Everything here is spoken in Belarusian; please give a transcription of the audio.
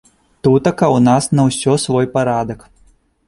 Тутака ў нас на ўсё свой парадак.